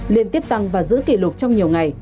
liên tiếp tăng và giữ kỷ lục trong nhiều ngày